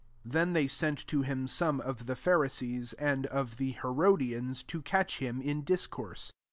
13 Then they sent to him some of the Pharisees, and of the Herodians, to catch him in discourse.